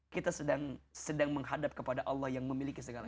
kita sedang menghadap kepada allah yang memiliki segala